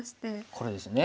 これですね。